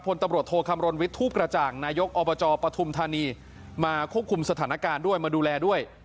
พลตำรวจโทคำรณวิทย์ทูปกระจ่างนายกอบจปฐุมธานีมาควบคุมสถานการณ์ด้วยมาดูแลด้วย